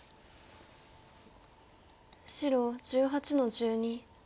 白１８の十二。